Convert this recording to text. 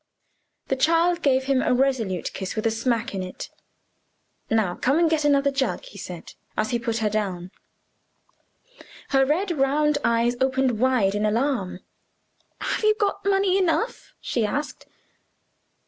The child gave him a resolute kiss, with a smack in it. "Now come and get another jug," he said, as he put her down. Her red round eyes opened wide in alarm. "Have you got money enough?" she asked.